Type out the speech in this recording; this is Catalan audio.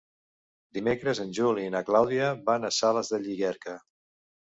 Dimecres en Juli i na Clàudia van a Sales de Llierca.